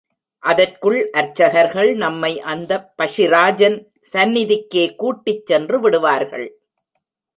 அதற்குள் அர்ச்சர்கள் நம்மை அந்தப் பக்ஷிராஜன் சந்நிதிக்கே கூட்டிச்சென்று விடுவார்கள்.